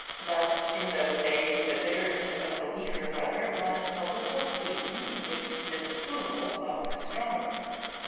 But in those days the bitterness of the weaker brother was a little sweetened with disapproval of the stronger.